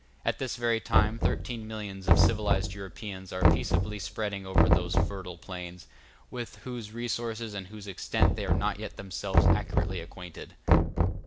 At this very time thirteen millions of civilized Europeans are peaceably spreading over those fertile plains, with whose resources and whose extent they are not yet themselves accurately acquainted.